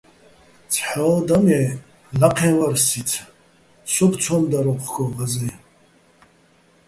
ცჰ̦ა ო და მე́, ლაჴეჼ ვარ სიძ, სოუბო̆ ცო́მ დარ ო́ჴგო ღაზეჼ.